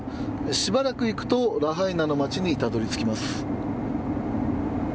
しばらく行くとラハイナの街にたどりつきます。